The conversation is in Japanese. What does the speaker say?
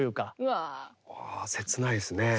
わ切ないですね。